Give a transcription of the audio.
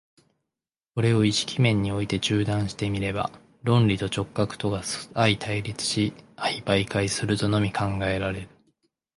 これを意識面において中断して見れば、論理と直覚とが相対立し相媒介するとのみ考えられる。